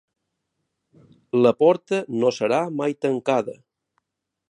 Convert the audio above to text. La porta no serà mai tancada.